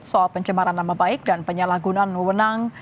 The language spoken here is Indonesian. soal pencemaran nama baik dan penyalahgunaan wenang